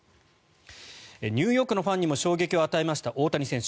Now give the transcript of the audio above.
ニューヨークのファンにも衝撃を与えました大谷選手。